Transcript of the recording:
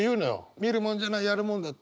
「見るものじゃないやるもんだ」って。